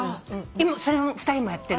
それ２人もやってる？